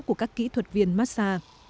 của các kỹ thuật viên massa